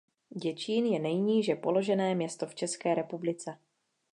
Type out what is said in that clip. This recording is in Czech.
Děčín je nejníže položené město v České republice.